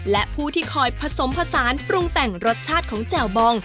และผู้ที่คอยผสมผสานปรุงแต่งรสชาติของแจ่วบอง